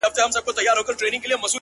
گراني په دې ياغي سيتار راته خبري کوه،